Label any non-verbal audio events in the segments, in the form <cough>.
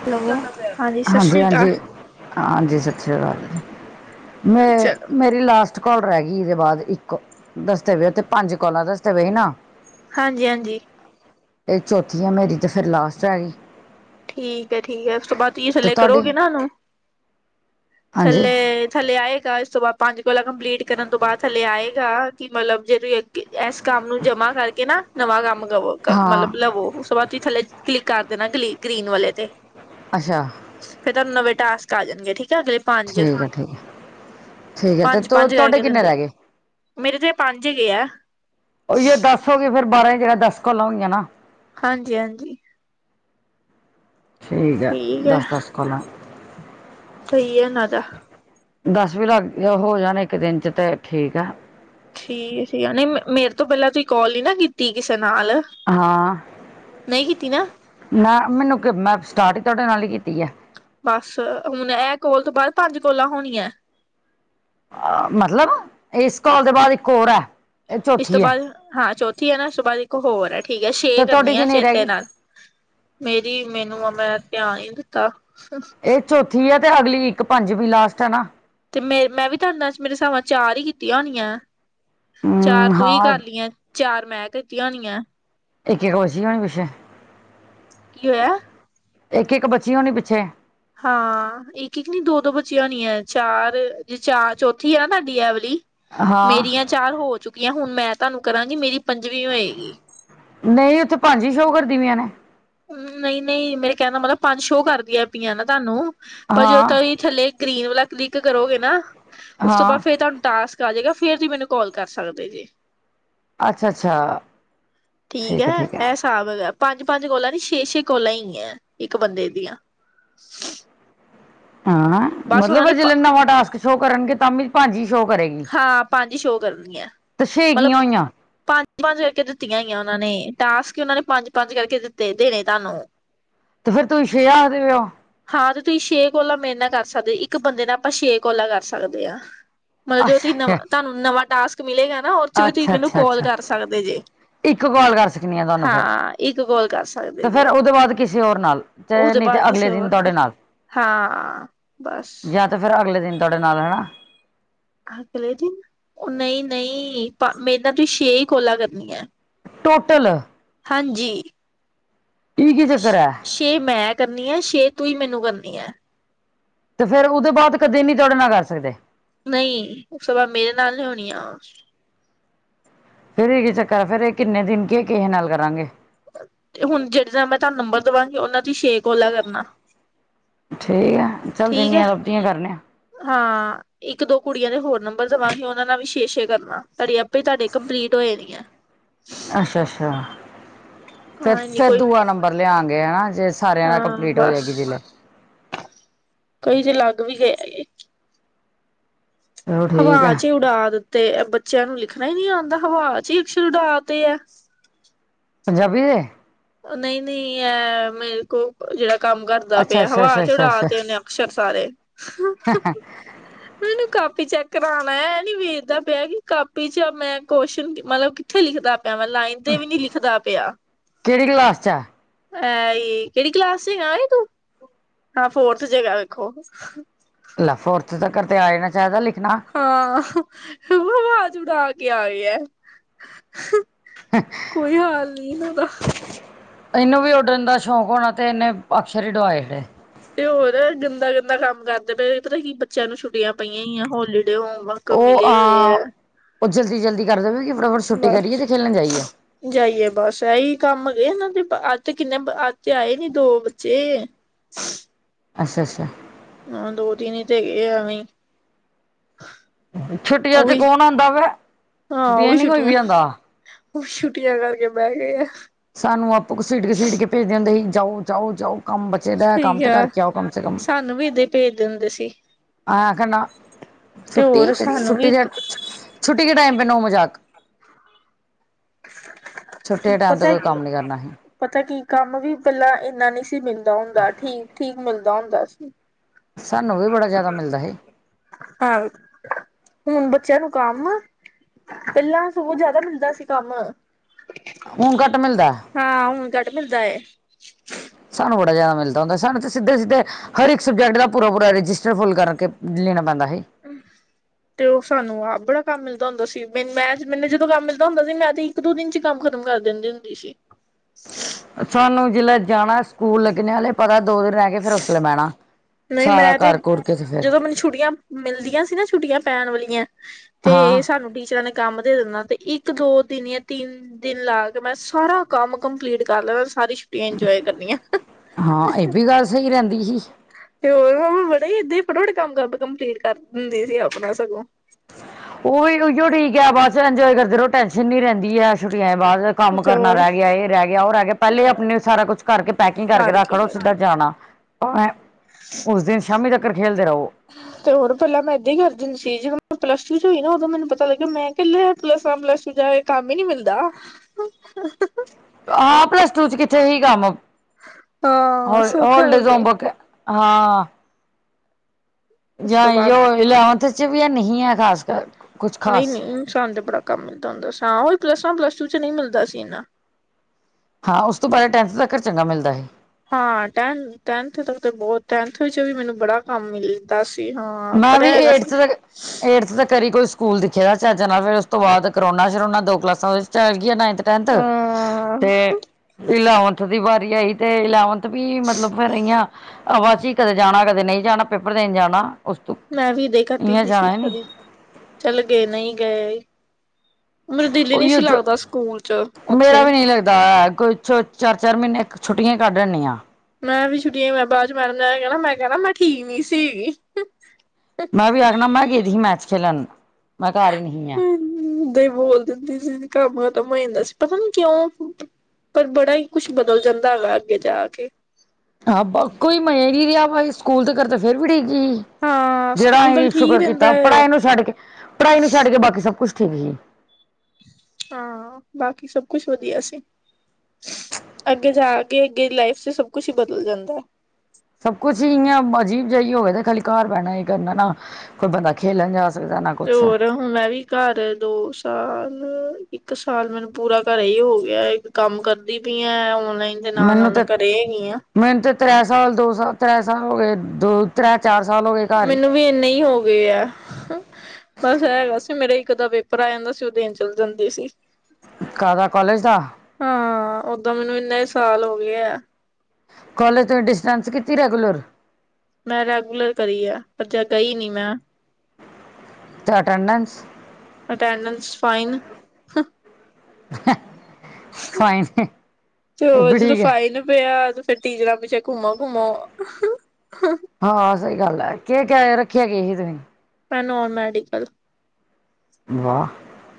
??? ਹਾਂਜੀ-ਹਾਂਜੀ-ਹਾਂਜੀ ਸਤਿ ਸ੍ਰੀ ਅਕਾਲ ਜੀ ਮੈਂ ਚਲੋ ਮੇ ਜਿਹੜੀ ਲਾਸਟ ਕੋਲ ਰਹਿ ਗਈ ਇਹਦੇ ਬਾਅਦ ਇੱਕ ਦੱਸਦੇ ਪਏ ਤੇ ਪੰਜ ਕਾਲਾਂ ਦੱਸਦੇ ਪਏ ਸੀ ਨਾ ਹਾਂਜੀ-ਹਾਂਜੀ ਇਹ ਚੌਥੀ ਹੈ। ਮੇਰੀ ਤਾਂ ਫਿਰ ਲਾਸਟ ਹੈਗੀ ਈ, ਠੀਕ ਹੈ, ਠੀਕ ਏ, ਉਸ ਤੋਂ ਬਾਅਦ ਤੀ ਤੇ ਥੱਲੇ ਤੁਹਾਡੀ ਕਰੋਗੇ ਨਾ ਉਹਨੂੰ ਹਾਂਜੀ ਥੱਲੇ-ਥੱਲੇ ਆਏਗਾ ਇਸ ਤੋਂ ਬਾਦ ਪੰਜ ਕੋਲਾ ਕੰਪਲੀਟ ਕਰਨ ਤੋਂ, ਬਾਅਦ ਹਲੇੇ ਆਏਗਾ ਕਿ ਮਤਲਬ ਜੇ ਤੁ ਇਸ ਕੰਮ ਨੂੰ ਜਮਾ ਕਰਕੇ ਨਾ ਨਵਾਂ ਕੰਮ ਲਵੋ ਹਾਂ ਮਤਲਬ ਲਵੋ ਉਸ ਤੋਂ, ਬਾਅਦ ਤੁਸੀਂ ਥੱਲੇ ਕਲਿੱਕ ਕਰ ਦੇਣਾ ਗ ਗ੍ਰੀਨ ਵਾਲੇ ਤੇ, ਅੱਛਾ ਫੇਰ ਤੁਹਾਨੂੰ ਨਵੇਂ ਟਾਸਕ ਆ ਜਾਣਗੇ ਠੀਕ ਹੈ। ਅਗਲੇ ਠੀਕ ਹੈ ਠੀਕ ਹੈ ਠੀਕ ਹੈ ਤੇ ਤੁ ਪੰਜ-ਪੰਜ-ਪੰਜ ਤੁਹਾਡੇ ਕਰਕੇ ਕਿੰਨੇ ਦਿੰਦੇ ਰਹਿ ਗਏ ਮੇਰੇ ਤੇ ਇਹ ਪੰਜ ਹੈਗੇ ਆ ਉਹੀਏ ਦਸ ਹੋ ਗਏ ਫੇਰ ਬਾਰਾਂ ਜਗਾ ਦਸ ਕੋਲਾ ਹੋਈਆਂ ਨਾ ਹਾਂਜੀ-ਹਾਂਜੀ ਠੀਕ ਹੈ ਦਸ-ਦਸ ਕੋਲਾ ਸਹੀ ਹੈ, ਨਾ ਦਾ ਦੱਸ ਵੀ, ਲੱਗ ਹੋ ਜਾਣੇ ਇੱਕ ਦਿਨ ਚ, ਤੇ ਠੀਕ ਆ। ਠੀਕ ਹੈ ਠੀਕ ਆ ਨਹੀਂ ਮੇਰੇ ਤੋਂ, ਪਹਿਲਾਂ ਤੁਸੀਂ ਕੋਲ ਹੀ ਨਾ, ਕੀਤੀ। ਕਿਸੇ ਨਾਲ ਹਾਂ ਨਹੀਂ ਕੀਤੀ ਨਾ ਮੈਂ ਮੈਨੂੰ ਮੈਂ, ਸਟਾਰਟ ਹੀ, ਤੁਹਾਡੇ ਨਾਲ ਹੀ ਕੀਤੀ ਹੈ ਬਸ ਹੁਣ ਇਹ ਕੋਲ ਤੋਂ, ਬਾਅਦ ਪੰਜ ਕੋਲਾਂ ਹੋਣੀਆਂ ਅ ਮਤਲਬ ਇਸ ਕਾਲ ਦੇ, ਬਾਅਦ ਇੱਕ ਹੋਰ ਹੈ ਇਹ ਇਸ ਤੋਂ ਚੌਥੀ ਹੈ ਬਾਅਦ ਹਾਂ ਚੌਥੀ ਹੈ ਨਾ ਉਸ ਤੋਂ ਬਾਅਦ ਇੱਕ ਹੋਰ ਹੈ। ਠੀਕ ਹੈ ਛੇ, ਤੇ ਤੁਹਾਡੀ ਕਰਨੀ ਆ ਕਿੰਨੀ ਰਹਿ ਚੇਤੇ ਗਈ ਨਾਲ ਮੇਰੀ ਮੈਨੂੰ ਆ ਮੈਂ, ਧਿਆਨ ਹੀ ਤਾਂ ਇਹ ਚੌਥੀ ਹੈ ਤੇ, ਅਗਲੀ ਇੱਕ ਪੰਜਵੀਂ ਲਾਸਟ ਹੈ ਨਾ। ਤੇ ਮੇ ਮੈਂ ਵੀ ਤੁਹਾਡੇ ਨਾਲ ਮੇਰੇ ਹਿਸਾਬ ਨਾਲ ਚਾਰ ਈ ਕੀਤੀਆਂ ਹੋਣੀਆਂ। ਹਮ ਚਾਰ ਤੂੰ ਈ ਹਾਂ ਕਰ ਲਈ ਆ ਚਾਰ ਮੈਂ ਕੀਤੀਆਂ ਹੋਣੀਆਂ। ਇੱਕ-ਇੱਕ ਹੋਰ ਸੀ ਨਾ ਪਿੱਛੇ ਕੀ ਹੋਇਆ। ਇੱਕ-ਇੱਕ ਬੱਚੀ ਹੋਣੀ ਪਿੱਛੇ ਹਾਂ ਇੱਕ-ਇੱਕ ਨੀ ਦੋ-ਦੋ ਬੱਚੀਆਂ ਹੋਣੀਆਂ ਚਾਰ ਜੇ ਚਾਰ ਚੌਥੀ ਆ ਨਾ ਤੁਹਾਡੀ ਐ ਵਲੀ ਹਾਂ ਮੇਰੀਆਂ ਚਾਰ ਹੋ ਚੁੱਕੀਆਂ ਹੁਣ ਮੈਂ ਤੁਹਾਨੂੰ ਕਰਾਂਗੀ ਮੇਰੀ ਪੰਜਵੀਂ ਹੋਏਗੀ। ਨਈ ਉੱਥੇ ਪੰਜ ਈ ਸ਼ੋਅ ਕਰਦੀਆਂ ਪਈਆ ਨੇ। ਨਈ-ਨਈ ਮੇਰੇ ਕਹਿਣ ਦਾ ਮਤਲਬ ਪੰਜ ਸੋ ਕਰਦੀਆਂ ਪੀਆਂ ਨਾ ਤੁਹਾਨੂੰ ਪਰ ਜਦੋਂ ਹਾਂ ਤੁਸੀਂ ਥੱਲੇ ਗ੍ਰੀਨ ਵਾਲਾ ਕਲਿੱਕ ਕਰੋਗੇ ਨਾ ਉਸ ਤੋਂ ਹਾਂ ਬਾਦ ਫੇਰ ਤੁਹਾਨੂੰ ਟਾਸਕ ਤੇ ਆ ਜੇਗਾ ਫਿਰ ਜੀ ਮੈਨੂੰ ਕਾਲ ਕਰ ਸਕਦੇ ਜੇ। ਅੱਛਾ ਅੱਛਾ ਠੀਕ ਐ-ਐ ਸਾਬ ਹੈਗਾ ਪੰਜ ਪੰਜ ਕੋਲਾਂ ਛੇ-ਛੇ ਕੋਲਾਂ ਈ ਹੈਗੀਆਂ ਇੱਕ ਬੰਦੇ ਦੀਆਂ ਹਾਂ ਬਸ ਉਹਨਾਂ ਮਤਲਬ ਨੇ ਜੇ ਨਵਾਂ ਟਾਸਕ ਸ਼ੋਅ ਕਰਨਗੇ ਤਾਂ ਵੀ ਪਜ ਈ ਸ਼ੋਅ ਕਰੇਗੀ ਹਾਂ ਪੰਜ ਸ਼ੋਅ ਕਰਨੀਆਂ ਤੇ ਛੇ ਕੀਆਂ ਹੋਈਆਂ। ਪੰਜ-ਪੰਜ ਕਰਕੇ ਦਿੱਤੀਆਂ ਹੋਈਆਂ ਉਨਾਂ ਨੇ ਟਾਸਕ ਉਨਾਂ ਨੇ ਪੰਜ-ਪੰਜ ਕਰਕੇ ਦਿੱਤੇ ਦੇਣੇ ਤੁਹਾਨੂੰ ਤੇ ਫੇਰ ਤੁਸੀ ਛੇ ਆਖਦੇ ਪਹੇ‌ ਹੋ। ਹਾਂ ਤੇ ਤੁਸੀਂ ਛੇ ਕੋਲਾ ਮੇਰੇ ਨਾਲ ਕਰ ਸਕਦੇ ਇੱਕ ਬੰਦੇ ਨਾਲ ਆਪਾਂ ਛੇ ਕੋਲਾ ਕਰ ਸਕਦੇ ਆਂ। ਮਤਲਬ ਜੋ ਤੁਸੀਂ ਨਵਾ ਅੱਛਾ ਤੁਹਾਨੂੰ ਨਵਾਂ ਟਾਸਕ ਮਿਲੇਗਾ ਨਾ ਓ 'ਚ ਵੀ ਤੁਸੀਂ ਅੱਛਾ ਮੈਨੂੰ ਅੱਛਾ ਕਾੱਲ ਅੱਛਾ ਕਰ ਸਕਦੇ ਜੇ। ਇੱਕ ਕਾੱਲ ਕਰ ਸਕਣੀ ਆਂ ਤੁਹਾਨੂੰ ਫਿਰ ਹਾਂ ਇੱਕ ਕਾਲ ਕਰ ਸਕਦੇ ਤੇ ਜੇ ਫਿਰ ਓ ਤੋਂ ਬਾਦ ਕਿਸੇ ਹੋਰ ਨਾਲ ਤੇ ਉਹਦੇ ਨਈ ਤੇ ਬਾਅਦ ਅਗਲੇ ਕਿਸੇ ਹੋਰ ਦਿਨ ਤੁਹਾਡੇ ਨਾਲ ਹਾਂ ਬੱਸ ਜਾਂ ਤਾਂ ਫਿਰ ਅਗਲੇ ਦਿਨ ਤੁਹਾਡੇ ਨਾਲ ਹਨਾ। ਅਕਲੇ ਦਿਨ ਓ ਨਈ-ਨਈ ਮੇਰੇ ਨਾਲ ਤੁਸੀਂ ਛੇ ਹੀ ਕੋਲਾ ਕਰਨੀਆਂ ਐ। ਟੋਟਲ ਹਾਂਜੀ ਕੀ-ਕੀ‌ ਚੱਕਰ ਐ। ਛੇ ਮੈਂ ਕਰਨੀਆਂ ਛੇ ਤੂੰ ਈ ਮੈਨੂੰ ਕਰਨੀਐ। ਤੇ ਫਿਰ ਉਦੇ ਬਾਅਦ ਕਦੇ ਨੀ ਤੁਹਾਡੇ‌ ਨਾਲ ਕਰ ਸਕਦੇ। ਨਈ ਉਸ ‌ਤੋ ਬਾਦ ਮੇਰੇ ਨਾਲ ਨੀਂ ਹੋਣੀਆਂ। ਫਿਰ ਏ ਕੀ ਚੱਕਰ ਫਿਰ ਏ ਕਿੰਨੇ ਦਿਨ ਕੇ ਕਿ ਨਾਲ ਕਰਾਂਗੇ। ਤੇ ਹੁਣ ਜੇੜੀ ਮੈਂ ਤੁਹਾਨੂੰ ਨੰਬਰ ਦੇਵਾਂਗੀ ਉਨਾਂ ਦੀ ਛੇ ਕੋਲਾ ਕਰਨਾ। ਠੀਕ ਹੈ ਚੱਲ ਠੀਕ ਹੈ। ਜਿੰਨੀਆਂ ਲੱਭਦੀਆਂ ਕਰਨੇ ਆ। ਹਾਂ ਇੱਕ ਦੋ ਕੁੜੀਆਂ ਦੇ ਹੋਰ ਨੰਬਰ ਦਵਾਂਗੀ ਉਨਾ ਨਾਲ ਵੀ ਛੇ-ਛੇ ਕਰਨਾ ਤੁਹਾਡੀ ਆਪੇ ਤੁਹਾਡੇ ਕੰਪਲੀਟ ਹੋਏ ਨੀ ਐ। <inaudible> ਅੱਛਾ-ਅੱਛਾ ਹਾਂ ਇਨੀ ਫਿਰ-ਫਿਰ ਕੋਈ ਦੂਆ ਨੰਬਰ ਲਿਆਂਗੇ ਹਨਾ ਜੇ ਸਾਰਿਆਂ ਨਾਲ ਹਾਂ ਕੰਪਲੀਟ ਹੋ ਬਸ ਜਾਏਗੀ ਜੀ ਲੇ। ਕਈ ਜੇ ਲੱਗ ਵੀ ਗਏ। ਚਲੋ ਠੀਕ ਹੈ ਹਵਾ 'ਚ ਉਡਾ ਦਿੱਤੇ ਬੱਚਿਆਂ ਨੂੰ ਲਿਖਣਾ ਈ ਨੀ ਆਂਦਾ ਹਵਾ 'ਚ ਅਕਸ਼ਰ ਉਡਾ ਤੇ ਐ। ਪੰਜਾਬੀ ਦੇ ਓ ਨਈ-ਨਈ ਐ ਮੇਰੇ ਕੋ ਓ ਜੇੜਾ ਕੰਮ ਕਰਦਾ ਅੱਛਾ ਪਿਆ ਅੱਛਾ ਹਵਾ ਅੱਛਾ ਅੱਛਾ ਉੜਾ ਅੱਛਾ ਤੇ ਉਨੇ ਅਕਸ਼ਰ ਸਾਰੇ <inaudible> ਮਿਨੂੰ ਕਾਪੀ ਚੈੱਕ ਕਰਾਨ ਆਇਆ, ਐ ਨੀ ਵੇਖਦਾ ਪਿਆ ਕਿ ਕਾਪੀ 'ਚ ਮੈਂ ਕੁਸ਼ਚਨ ਮਲਬ ਕੀ ਕਿੱਥੇ ਲਿਖਦਾ ਪਿਆ ਵਾ, ਲਾਈਨ ਤੇ ਵੀ ਨੀ ਲਿਖਦਾ ਪਿਆ। ਕੇੜੀ ਕਲਾਸ 'ਚ ਆ। ਅ ਏ ਕੇੜੀ ਕਲਾਸ 'ਚ ਹੇਗਾ ਓਏ ਤੂੰ, ਹਾਂ ਫੋਰਥ 'ਚ ਹੇਗਾ ਵੇਖੋ। ਲੈ ਫੋਰਥ ਤੱਕਰ ਤੇ ਆ ਜਾਣਾ ਚਾਈਦਾ ਲਿਖਣਾ। ਹਾਂ ਹ ਉ ਹਵਾ 'ਚ ਉੜਾ ਕੇ ਆ ਗਿਆ। ਕੋਈ ਹਾਲ ਨੀ ਏਨਾ ਦਾ। ਏਨੂੰ ਵੀ ਉੱਡਣ ਦਾ ਸ਼ੌਂਕ ਹੋਣਾ ਤੇ ਏਨੇ ਅਕਸ਼ਰ ਈ ਡੁਵਾਏ ਛੜੇ। ਤੇ ਹੋਰ ਗੰਦਾ-ਗੰਦਾ ਕੰਮ ਕਰਦੇ ਪਏ, ਪਤਾ ਕੀ ਬੱਚਿਆਂ ਨੂੰ ਛੁੱਟੀਆਂ ਪਈਆਂ ਅਈਆਂ ਹੋਲੀਡੇ ਹੋ ਵਕ ਓ ਆ ਜਲਦੀ-ਜਲਦੀ ਕਰਦੇ ਵੇਂ ਕੀ ਫਟਾਫਟ ਛੁੱਟੀ ਕਰੀਏ ਬਸ ਤੇ ਖੇਲਣ ਜਾਈਏ। ਜਾਈਏ ਬਸ। ਐਈ ਕੰਮ ਹੈਗੇ ਏਨਾ ਦੇ ਬ ਅੱਜ ਤੇ ਕਿੰਨੇ ਬੱ ਅੱਜ ਤੇ ਆਏ ਨੀ ਦੋ ਬੱਚੇ। <unintelligible> ਅੱਛਾ-ਅੱਛਾ। ਹਾਂ ਦੋ ਤਿਨ ਈ ਤੇ ਏਗੇ ਆ ਐਵੀਂ। ਛੁੱਟੀਆਂ 'ਚ ਕੌਣ ਆਂਦਾ ਵਿਆ, ਛੁੱਟੀਆਂ 'ਚ ਨੀ ਕੋਈ ਵੀ ਆਂਦਾ। ਛੁੱਟੀਆਂ ਕਰਕੇ ਬੈ ਗੇ ਆ। ਸਾਨੂੰ ਆਪੋ ਘਸੀਟ-ਘਸੀਟ ਕੇ ਭੇਜਦੇ ਹੁੰਦੇ ਹੀ ਜਾਓ-ਜਾਓ ਜਾਓ। ਕੰਮ ਬਚੇ ਦਾ, ਕੰਮ ਸਹੀ ਤੇ ਆ ਕਰਕੇ ਆਓ ਕਮ ਸੇ ਕਮ। ਸਾਨੂੰ ਵੀ ਏਦਾ ਈ ਭੇਜਦੇ ਹੁੰਦੇ ਸੀ। ਅ ਆਖਾ ਨਾ ਛੁੱਟੀ ਹੋਰ ਤੇ ਸਾਨੂੰ ਛੁੱਟੀ, ਵੀ ਦੇ ਛੁੱਟੀ ਕੇ ਟਾਈਮ ਪੈ ਨੌ ਮਜ਼ਾਕ। ਛੁੱਟੀ ਦੇ ਟੈਮ ਤੇ ਪਤਾ ਕੋਈ ਕੀ ਕੰਮ ਨੀ ਕਰਨਾ ਅਹੀਂ। ਪਤਾ ਕੀ ਕੰਮ ਵੀ ਪੈਲਾਂ ਏਨਾ ਨੀ ਸੀ ਮਿਲਦਾ ਹੁੰਦਾ, ਠੀਕ-ਠੀਕ ਮਿਲਦਾ ਹੁੰਦਾ ਸੀ। ਸਾਨੂੰ ਵੀ ਬੜਾ ਜਾਦਾ ਮਿਲਦਾ ਹੀ। ਹਾਂ ਹੁਣ ਬੱਚਿਆਂ ਨੂੰ ਕੰਮ ਪੈਲਾਂ ਸਗੋਂ ਜਾਦਾ ਮਿਲਦਾ ਸੀ ਕੰਮ। ਹੁਣ ਘੱਟ ਮਿਲਦਾ। ਹਾਂ ਹੁਣ ਘੱਟ ਮਿਲਦਾ <inaudible> ਸਾਨੂੰ ਬੜਾ ਜਾਦਾ ਮਿਲਦਾ ਹੁੰਦਾ ਸੀ, ਸਾਨੂੰ ਤੇ ਸਿੱਧੇ-ਸਿੱਧੇ ਹਰ ਇੱਕ ਸਬਜੈਕਟ ਦਾ ਪੂਰਾ-ਪੂਰਾ ਰਜਿਸਟਰ ਫੁੱਲ ਕਰਕੇ ਲੈਣਾ ਪੈਂਦਾ ਹੀ। ਤੇ ਓ ਸਾਨੂੰ ਆਪ ਬੜਾ ਕੰਮ ਮਿਲਦਾ ਹੁੰਦਾ ਸੀ‌। ਮਿਨ ਮੈਂ ਮੈਨੂੰ ਜਦੋਂ ਕੰਮ ਮਿਲਦਾ ਹੁੰਦਾ ਸੀ, ਮੈਂ ਤੇ ਇਕ, ਦੋ ਦਿਨ 'ਚ ਈ ਕੰਮ ਖ਼ਤਮ ਕਰ ਦਿੰਦੀ ਹੁੰਦੀ ਸੀ। ਸਾਨੂੰ ਜਿਲੇ ਜਾਣਾ ਸਕੂਲ ਲੱਗਣੇ, ਅਲੇ ਪਤਾ ਦੋ ਦਿਨ ਰੈ ਗੇ ਫੇਰ ਓਸ ਲੇ ਬੈਣਾ ਨਈ ਮੈਂ ਤੇ ਜਦੋਂ ਮੈਨੂੰ ਛੁੱਟੀਆਂ ਮਿਲਦੀਆਂ ਸੀ ਨਾ, ਛੁੱਟੀਆਂ ਪੈਣ ਵਲੀਆਂ ਹਾਂ ਤੇ ਸਾਨੂੰ ਟੀਚਰਾਂ ਨੇ ਕੰਮ ਦੇ ਦਣਾ ਤੇ ਇੱਕ- ਦੋ ਦਿਨ ਜਾਂ ਤਿੰਨ ਦਿਨ ਲਾ ਕੇ ਮੈਂ ਸਾਰਾ ਕੰਮ ਕੰਪਲੀਟ ਕਰ ਲੈਣਾ ਸਾਰੀ ਛ ਹਾਂ ਐ ਵੀ ਗੱਲ ਸ‌ਈ ਰੈਂਦੀ ਹੀ। ਤੇ ਹੋਰ ਬੜੇ ਏਦਾਂ ਈ ਫਟਾ ਫਟ ਕੰਮ ਕੰਪਲੀਟ ਕਰ ਦਿੰਦੀ ਹੁੰਦੀ ਸੀ ਆਪਣਾ ਸਗੋਂ। ਓ ਵੀ ਓਈਓ ਠੀਕ ਆ ਬਾਦ 'ਚ ਇੰਜੋਏ ਕਰਦੇ ਰੋ, ਟੈਂਨਸ਼ਨ ਨੀ ਰੈਂਦੀ ਐ ਛੁੱਟੀਆਂ ਦੇ ਬਾਦ। ਕੰਮ ਤੇ ਕਰਨਾ ਹੋਰ ਰੈ ਗਿਆ ਏ, ਏ ਰੈ ਗਿਆ, ਓ ਰੈ ਗਿਆ, ਪੈਲੇ ਆਪਣੀ ਸਾਰਾ ਕੁਛ ਕਰਕੇ ਪੈਕਿੰਗ ਕਰਕੇ ਰੱਖ ਲੋ ਸਿੱਧਾ ਜਾਣਾ। ਭਾਵੇਂ ਉਸ ਦਿਨ ਸ਼ਾਮੀ ਤੱਕਰ ਖੇਲਦੇ ਰਵੋ। ਤੇ ਹੋਰ ਪੈਲਾਂ ਮੈਂ ਏਦਾਂ ਈ ਕਰਦੀ ਹੁੰਦੀ ਸੀ, ਜਦੋਂ ਮੈਂ ਪਲੱਸ ਟੂ ਚ ਹੋਈ ਨਾ ਉਦੋਂ ਮੈਨੂੰ ਪਤਾ ਲੱਗਿਆ ਮੈਂ ਪੈਲੀ ਵਾਰ ਪਲੱਸ ਵਨ- ਪਲੱਸ ਟੂ 'ਚ ਜਾ ਕੇ ਕੰਮ ਈ ਨੀ ਮਿਲਦਾ। ਆ ਪਲੱਸ ਟੂ 'ਚ ਕਿੱਥੇ ਹੀ ਕੰਮ। ਹੋ ਹਾਂ ਸੌਖਾ ਹੋ ਹੋਲਡੇੋਂਬ ਗਿਆ ਹੋਮਵਰਕ ਹਾਂ। ਉਸ ਜਾਂ ਤੋਂ ਬਾਅਦ ਉਹ ਇਲੈਵਨਥ ਚ ਵੀਨੀ ਏਨੀ ਸੀ ਖਾਸ ਕਰ। ਕੁਛ ਖ਼ਾਸ ਨਹੀਂ-ਨਹੀਂ ਇਨ ਸਾਨੂੰ ਤੇ ਬੜਾ ਕੰਮ ਮਿਲਦਾ ਹੁੰਦਾ ਸੀ ਉਹ ਪਲੱਸ ਪਲੱਸ ਟੂ ਚ ਨਹੀਂ ਮਿਲਦਾ ਸੀ ਇਨਾ ਹਾਂ ਉਸ ਤੋਂ ਪੈਲੇ ਟੈਨਥ ਤਕ ਚੰਗਾ ਮਿਲਦਾ ਸੀ। ਹਾਂ ਟੈਨ, ਟੈਨਥ ਤਕ ਤੇ ਬੋਹਤ, ਟੈਨਥ ਵਿੱਚ ਵੀ ਮੈਨੂੰ ਬੜਾ ਕੰਮ ਮਿਲ ਤਾਸੀ ਹਾਂ। ਮੈਂ ਪਤਾ ਵੀ ਹੈਗਾ ਸੀ। ਏਠਥ ਤਕ, ਏਠਥ ਤਕ ਕਰੀ ਕੋਈ ਸ ਸਕੂਲ ਦਿਖੇਆ ਚੱਜ ਨਾਲ ਫੇਰ ਉਸ ਤੋ ਬਾਦ ਕਰੋਨਾ-ਸ਼ਰੋਨਾ ਦੋ ਕਲਾਸਾਂ ਵਿੱਚ ਚਲ ਗੀਆਂ ਨਾਈਨਥ ਟੈਂਥ ਹਾਂ ਤੇ ਇਲੇਵਨ ਅਥ ਦੀ ਵਾਰੀ ਆਈ ਤੇ ਇਲੈਵਨਥ ਵੀ ਮਤਲਬ ਫੇਰ ਰਈਆਂ। ਅਵਾਚੀ ਕਦੇ ਜਾਣਾ ਕਦੇ ਨਹੀਂ ਜਾਣਾ ਪੇਪਰ ਦੇਣ ਜਾਣਾ। ਉਸ ਤੋਂ ਮੈਂ ਵੀ ਦੇਖ ਇਆਂ ਹਟੀ-ਹੂਟੀ ਸੀ ਜਾਣਾ ਹੀ ਨੀ ਕਦੀ ਚੱਲ ਗਏ ਨਹੀਂ ਗਏ ਮੇਰਾ ਦਿਲ ਈ ਨੀ ਸੀ ਉਹੀਓ ਲਗਦਾ ਸਕੂਲ ਚ ਮੇਰਾ ਓਥੇ। ਵੀ ਨਹੀਂ ਲਗਦਾ ਹੈ ਕੋਈ ਛੋ ਚਾਰ-ਚਾਰ ਮਹੀਨੇ ਇੱਕ ਛੁੱਟੀਆਂ ਕੱਟ ਰੈਨੀ ਆਂ ਮੈਂ ਵੀ ਛੁੱਟੀਆਂ ਮੈਂ ਬਾਦ ਚੋ ਮੈਡਮ ਨੂੰ ਐ ਕੈਣਾ ਮੈਂ ਕੈਣਾ ਮੈਂ ਠੀਕ ਨੀ ਸੀਗੀ। ਮੈਂ ਵੀ ਆਖਨਾ ਮੈਂ ਗੇ ਦੀ ਮੈਚ ਖੇਲਨ, ਮੈਂ ਘਾਰ ਈ ਨੀ ਸੀ ਐ। <inaudible> ਐਦਾਂ ਬੋਲ ਦਿੰਦੀ ਸੀ, ਜੀ ਕੰਮ ਖਤਮ ਹੋ ਜਾਂਦਾ ਸੀ ਪਤਾ ਨੀ ਕਿਉਂ। ਪਰ ਬੜਾ ਈ ਕੁੱਛ ਬਦਲ ਜਾਂਦਾ ਵੈ ਅੱਗੇ ਜਾ ਕੇ। ਹਾਂ ਬ ਕੋਈ ਮਜਾ ਈ ਨੀ ਰੇਆ ਭਾਈ ਸਕੂਲ ਤਕਰ ਤੇ ਫੇਰ ਵੀ ਠੀਕ ਹੀ। ਹਾਂ ਜੇੜਾ ਸਕੂਲ ਅਹੀ ਤੱਕ ਠੀਕ ਸ਼ੁਕਰ ਰਹਿੰਦਾ ਕੀਤਾ ਹੈ ਪੜਾਈ ਨੂੰ ਛੱਡ ਕੇ, ਪੜਾਈ ਨੂੰ ਛੱਡ ਕੇ ਬਾਕੀ ਸਬ ਕੁੱਛ ਠੀਕ ਹੀ। ਹਾਂ, ਬਾਕੀ ਸਬ ਕੁੱਛ ਵਧੀਆ ਸੀ। ਅੱਗੇ ਜਾ ਕੇ ਅੱਗੇ ਲਾਈਫ ਚ ਸਬ ਕੁੱਛ ਈ ਬਦਲ ਜਾਂਦੈ। ਸਬ ਕੁਛ ਹੀ ਇਨਾਂ ਅਜੀਬ ਜਾ ਈ ਹੋਏ ਦਾ ਖਾਲੀ ਘਰ ਬੈਣਾ ਏ ਕਰਨੈ ਨਾ ਕੋਈ ਬੰਦਾ ਖੇਲਨ ਜਾ ਸ ਤੇ ਹੋਰ। ਹੂੰ, ਮੈਂ ਵੀ ਘਾਰ ਦੋ ਸਾਲ, ਇੱਕ ਸਾਲ ਮੈਨੂੰ ਪੂਰਾ ਘਰੇ ਈ ਹੋ ਗੇਐ ਏਕ। ਕਾੰਮ ਕਰਦੀ ਪਈ ਆਂ, ਐ ਔਨਲਾਈਨ ਦੇ ਨਾਲ-ਨਾਲ, ਮੈਨੂੰ ਮੈਂ ਤੇ ਘਰੇ ਹੈਗੀ ਆਂ। ਮੈਨੂੰ ਤਾਂ ਤ੍ਰੈ ਸਾਲ, ਦੋ ਸਾਲ, ਤ੍ਰੈ ਸਾਲ ਹੋ ਗਏ ਦੋ ਤ੍ਰੈ, ਚਾਰ ਸਾਲ ਹੋ ਗਏ। ਘਰ ਹੀ ਮੈਨੂੰ ਵੀ ਇੰਨੇ ਈ ਹੋ ਗਏ ਐ। ਬਸ ਐ ਹੈਗਾ ਸੀ ਮੇਰਾ ਇੱਕ ਅਦਾ ਪੇਪਰ ਆ ਜਾਂਦਾ ਸੀ ਓ ਦੇਨ ਚੱਲ ਜਾਂਦੀ ਸੀ। ਕਾਦਾ, ਕੋਲੇਜ ਦਾ? ਹਾਂ ਓਦਾਂ ਮੈਨੂੰ ਇੰਨੇ ਸਾਲ ਹੋ ਗਏ ਐ। ਕੋਲੇਜ ਤੋ ਡਿਸਟੈਂਸ ਕੀਤੀ ਰੈਗੂਲਰ? ਮੈਂ ਰੈਗੂਲਰ ਕਰੀ ਐ ਪਰ ਚਾਏ ਗਈ ਨੀ ਮੈਂ। ਅੱਛਾ ਅਟੈਂਡੈਂਸ? Attendance, fine. <inaudible> ਫਾਈਨ ਇਹ ਫੇਰ ਵੀ ਰੋਜ ਦਾ ਠੀਕ ਹੈ। ਫਾਈਨ ਪੇਆ। ਫੇਰ ਟੀਚਰਾਂ ਪਿੱਛੇ ਘੁੰਮੋ-ਘੁੰਮੋ <inaudible> ਹਾਂ, ਸਈ ਗੱਲ ਐ, ਕੇ ਕਰੇਆ ਰੱਖੇਆ ਕੀ ਸੀ ਤੁਸੀ? ਮੈਂ non medical. Wow.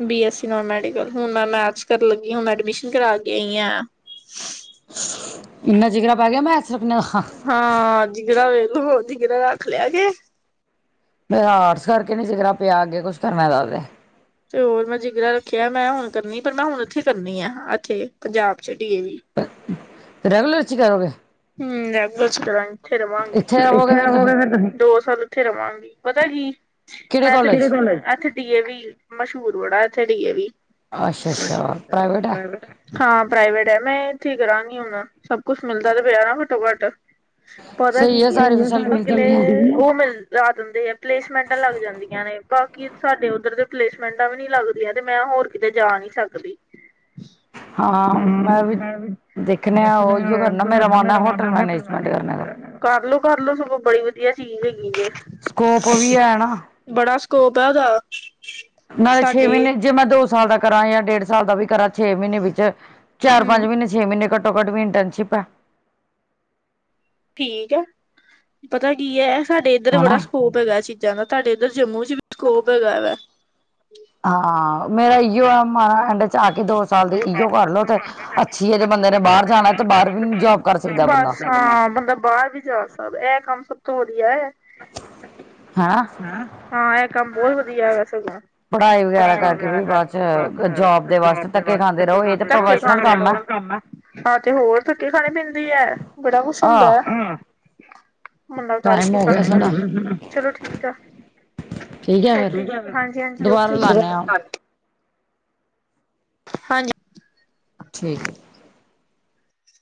B S C non medical, ਹੁਨ ਮੈਂ ਮੈਥਸ ਕਰਨ ਲਗੀ ਆਂ, ਹੁਨ ਮੈਂ ਐਡਮਿਸ਼ਨ ਕਰਾ ਕੇ ਆਂਈ ਆਂ। ਇੰਨਾ ਜਿਗਰਾ ਪੈ ਗੇਆ ਮੈਥਸ ਰਖਨਾ। ਹਾਂ, ਜਿਗਰਾ ਵੇਖਲੋ ਜਿਗਰਾ ਰੱਖ ਲੇਆ ਜੇ। ਮੇਰਾ ਆਰਟਸ ਕਾਰਕੇ ਨੀ ਜਿਗਰਾ ਪੇਆ ਅੱਗੇ ਕੁੱਛ ਕਰਨੇ ਦਾ ਤੇ। ਤੇ ਹੋਰ ਮੈਂ ਜਿਗਰਾ ਰੱਖੇਆ ਮੈਂ ਹੁਨ ਕਰਨੀ, ਪਰ ਮੈਂ ਹੁਨ ਐਥੇ ਈ ਕਰਨੀ ਐ, ਐਥੇ ਪੰਜਾਬ ਚ ਡੀ ਏ ਵੀ। ਰੈਗੂਲਰ ਚ ਈ ਕਰੋਗੇ? ਹੂੰ ਰੈਗੂਲਰ ਚ ਕਰਾਂਗੀ। ਉਥੇ ਰਵਾਂਗੀ, ਇੱਥੇ ਆਵੋਗੇ ਇਥੇ ਫਿਰ ਤੁਸੀਂ ਰਵੋਗੇ ਫੇਰ ਤੁਹੀਂ, ਦੋ ਸਾਲ ਉਥੇ ਰਵਾਂਗੀ, ਪਤੈ ਕੀ ਕਿਹੜੇ ਮੈਂ ਤੇ ਕਿਦੇ ਕਾਲਜ ਕੋਲੇ, ਐਥੇ ਡੀ ਏ ਵੀ, ਮਸ਼ੂਰ ਬੜਾ ਐਥੇ ਡੀ ਏ ਵੀ। ਆਸ਼ਾ-ਆਸ਼ਾ ਅੱਛਾ ਪ੍ਰਾਵੇਟ ਐ? ਪ੍ਰਾਈਵੇਟ ਹਾਂ ਪ੍ਰਾਈਵੇਟ ਐ। ਮੈਂ ਏਥੇ ਈ ਕਰਾਂਗੀ ਹੁਣ, ਸਭ ਕੁਛ ਮਿਲਦਾ ਤੇ ਪੇਆ ਨਾ ਘੱਟੋ-ਘੱਟ। ਪਤਾ ਕੀ ਸਹੀ ਹੈ ਏ, ਸਾਰੀ ਫੈਸਿਲਿਟੀ <unintelligible> ਮਿਲਦੀ ਅਗਲੇ ਵੀ ਹੈ ਉਹ ਮਿਲ ਲਾ ਦੰਦੇ ਐ। ਪਲੇਸਮੈਂਟਾਂ ਲਾਗ ਜਾਂਦੀਆਂ ਨੇ, ਪ ਕਿ ਸਾਡੇ ਓਧਰ ਤੇ ਪਲੇਸਮੈਂਟਾਂ ਵੀ ਨੀ ਲੱਗਦੀਆਂ ਤੇ ਮੈਂ ਹੋਰ ਕਿਤੇ ਜਾ ਨਈ ਸਕਦੀ। ਹਮ, ਮੈਂ ਵੀ ਦੇਖਣਾ ਆ ਕਰਨਾ ਮੇਰਾ ਮਨ ਐ ਹੋਟਲ ਮੈਨੇਜਮੈਂਟ ਦਾ ਹੇਗਾ ਏ, ਕਰਲੋ-ਕਰਲੋ ਸਗੋਂ ਬੜੀ ਵਧੀਆ ਚੀਜ਼ ਹੈਗੀ ਸਕੋਪ ਵੀ ਜੇ। ਹੈ ਨਾ ਬੜਾ ਸਕੋਪ ਹੈ ਓਹਦਾ। ਨਾਲੇ ਛੇ ਮੀਨੇ, ਜੇ ਮੈਂ ਦੋ ਸਾਲ ਦਾ ਕਰਾਂ ਯਾ ਡੇਢ ਸਾਲ ਦਾ ਵੀ ਕਰਾਂ ਛੇ ਮੀਨੇ ਵਿੱਚ, ਚਾਰ ਪੰਜ ਹਮ ਮੀਨੇ ਛੇ ਮੀਨੇ ਘੱਟੋ ਘੱਟ ਵੀ ਇੰਟਰਨਸ਼ਿਪ ਐ। ਠੀਕ ਐ, ਪਤਾ ਕੀ ਏ ਸਾਡੇ ਏਧਰ ਬੜਾ ਹਨਾ ਸਕੋ ਪ ਹੈਗਾ ਚੀਜ਼ਾਂ ਦਾ, ਤਾਡੇ ਏਧਰ ਜੰਮੂ ਚ ਵੀ ਸਕੋਪ ਹੈਗਾ ਵੈ। ਹਾਂ, ਮੇਰਾ ਇਓ ਆ ਮਨ ਐਂਡ ਚ ਆ ਕੇ ਦੋ ਸਾਲ ਦੀ ਇਓ ਕਰਲੋ ਤੇ ਅੱਛੀ ਹੈ, ਜੇ ਬੰਦੇ ਨੇ ਬਾਰ ਜਾਣਾ ਤੇ ਬਾਰ ਵੀ ਜੋਬ ਕਰ ਸਕਦਾ ਏ ਬੰਦਾ। ਬਸ ਹਾਂ ਬੰਦਾ ਬਾਰ ਵੀ ਜਾ ਸਕਦਾ। ਏਹ ਕੰਮ ਸਭ ਤੋਂ ਵਧੀਆ ਐ। ਹੈਨਾ ਹਅ, ਹਾਂ ਏਹ ਕੰਮ ਬੋਹਤ ਵਧੀਆ ਐ ਵੈਸੇ ਤਾਂ। ਪੜ੍ਹਾਈ ਵਗੈਰਾ ਕਰਕੇ ਵੀ ਬਾਅਦ ਚ ਕ ਜੋਬ ਫੇਰ ਜੋਬ ਦੇ ਵਾਸਤੇ ਧੱਕੇ ਖਾਂਦੇ, ਤੱਕੇ ਖਾਨੇ <unintelligible> ਕੰਮ ਐ। ਹਾਂ ਤੇ ਹੋਰ ਧੱਕੇ ਖਾਣੇ ਪੈਂਦੇ ਐ, ਬੜਾ ਕੁਛ ਹੁੰਦਾ ਆਹ ਐ। ਬੰਦਾ ਕਰ ਟਾਈਮ ਕੀ ਹੋ ਗਿਆ ਸਕਦਾ, ਸਾਡਾ ਹਮ-ਹਮ-ਹਮ-ਹਮ ਚਲੋ ਠੀਕ ਐ। ਠੀਕ ਹੈ ਫਿਰ ਓਕੇ, ਹਾਂਜੀ-ਹਾਂਜੀ ਦੁਬਾਰਾ ਓਕੇ ਜੀ। ਲਾਨੇ ਆ ਹਾਂਜੀ। ਠੀਕ ਏ।